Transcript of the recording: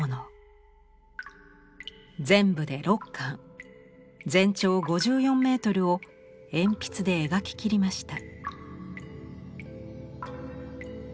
全部で６巻全長５４メートルを鉛筆で描ききりました。